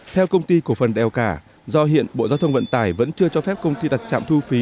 theo công ty cổ phần đèo cả do hiện bộ giao thông vận tải vẫn chưa cho phép công ty đặt trạm thu phí